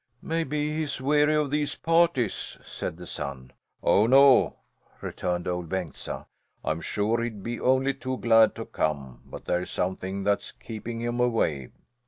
"Maybe he's weary of these parties," said the son. "Oh, no," returned Ol' Bengtsa. "I'm sure he'd be only too glad to come, but there's something that's keeping him away."